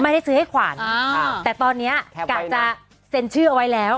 ไม่ได้ซื้อให้ขวัญแต่ตอนนี้กะจะเซ็นชื่อเอาไว้แล้ว